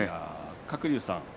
鶴竜さん